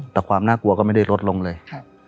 แต่ความน่ากลัวก็ไม่ได้ลดลงเลย